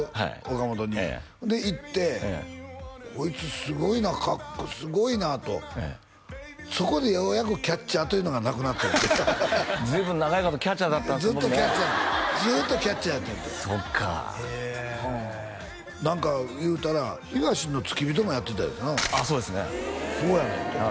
岡本にで行ってこいつすごいなとそこでようやくキャッチャーというのがなくなってんて随分長いことキャッチャーだったんです僕ねずっとキャッチャーやったんやてそっかあ何か言うたらヒガシの付き人もやってたいうてなああそうですねそうやねんって